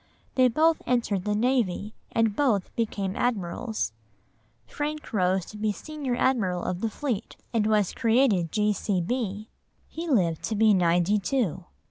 They both entered the navy, and both became admirals. Frank rose to be Senior Admiral of the Fleet, and was created G.C.B.; he lived to be ninety two.